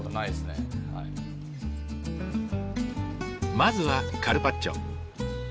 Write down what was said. まずはカルパッチョ。